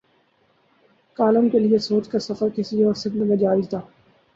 Column کے لیے سوچ کا سفر کسی اور سمت میں جاری تھا۔